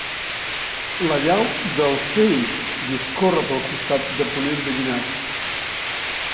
La llau del Seix discorre pel costat de ponent de Llinars.